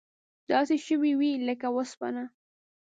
داسې شوي وې لکه وسپنه.